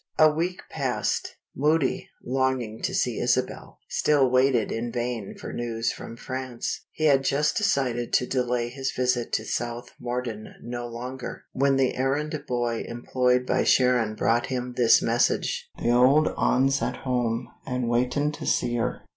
A week passed. Moody (longing to see Isabel) still waited in vain for news from France. He had just decided to delay his visit to South Morden no longer, when the errand boy employed by Sharon brought him this message: "The old 'un's at home, and waitin' to see yer."